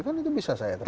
kan itu bisa saya terima